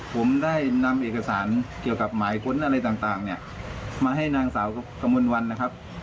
ผมได้นำเอกสารเกี่ยวกับหมายค้นอะไรต่างเนี่ยมาให้นางสาวกระมวลวันนะครับ